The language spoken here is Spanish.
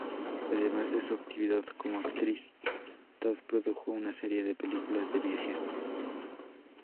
Además de su actividad como actriz, Todd produjo una serie de películas de viajes.